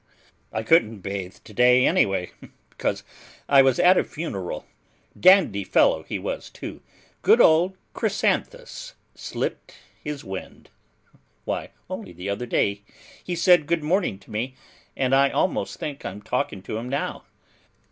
I couldn't bathe today anyway, because I was at a funeral; dandy fellow, he was too, good old Chrysanthus slipped his wind! Why, only the other day he said good morning' to me, and I almost think I'm talking to him now!